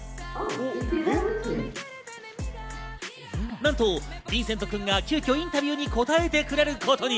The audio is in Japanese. なんとヴィンセント君が急きょ、インタビューに答えてくれることに。